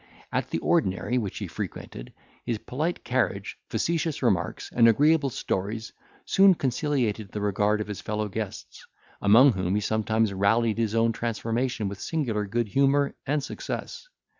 At the ordinary which he frequented, his polite carriage, facetious remarks, and agreeable stories soon conciliated the regard of his fellow guests, among whom he sometimes rallied his own transformation with singular good humour and success.